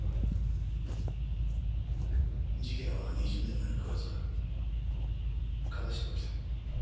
事件は２０年前の９月加賀市で起きた。